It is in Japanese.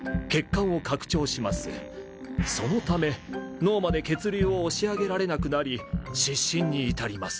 そのため脳まで血流を押し上げられなくなり失神にいたります。